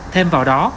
thêm vào đó